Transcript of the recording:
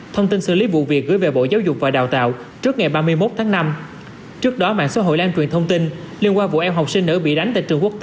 thông tin xử lý vụ việc gửi về bộ giáo dục và đào tạo trước ngày ba mươi một tháng năm